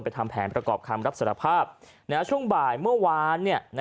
ทำแผนประกอบคำรับสารภาพช่วงบ่ายเมื่อวาน